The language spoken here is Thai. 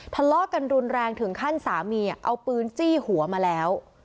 ทะเลาะกันรุนแรงถึงขั้นสามีเอาปืนจี้หัวมาแล้ว